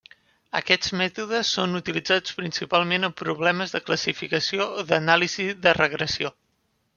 Aquests mètodes són utilitzats principalment en problemes de classificació o d'anàlisi de la regressió.